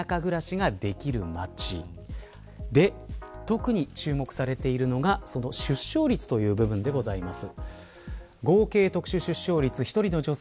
特に注目されているのが出生率という部分でございます。